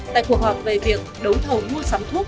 tại cuộc họp về việc đấu thầu mua sắm thuốc